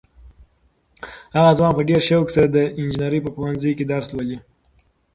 هغه ځوان په ډېر شوق سره د انجنیرۍ په پوهنځي کې درس لولي.